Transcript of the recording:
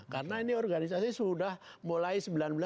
karena ini organisasi sudah mulai seribu sembilan ratus delapan puluh tiga